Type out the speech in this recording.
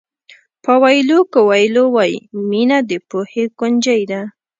پاویلو کویلو وایي مینه د پوهې کونجۍ ده.